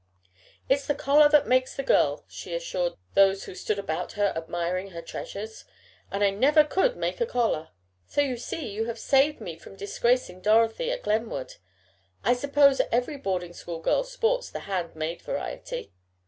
"It's the collar that makes the girl," she assured those who stood about her admiring her treasures, "and I never could make the collar. So you see you have saved me from disgracing Dorothy at Glenwood. I suppose every boarding school girl sports the hand made variety."